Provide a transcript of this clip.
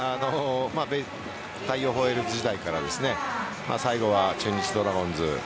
大洋ホエールズ時代から最後は中日ドラゴンズ